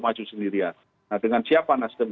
maju sendirian nah dengan siapa nasdem